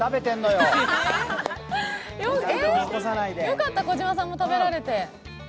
よかった、児嶋さんも食べられて。